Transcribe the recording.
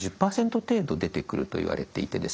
１０％程度出てくるといわれていて。